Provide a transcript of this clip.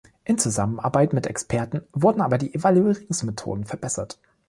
In Zusammenarbeit mit Experten wurden aber die Evaluierungsmethoden verbessert.